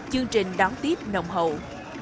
chương trình đón tiếp nồng hậu